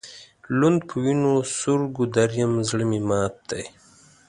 لوند په وینو سور ګودر یم زړه مي مات دی